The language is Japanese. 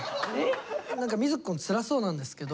何か瑞稀くんつらそうなんですけど。